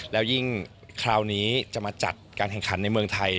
แล้วยิ่งคราวนี้จะมาจัดการแข่งขันในเมืองไทย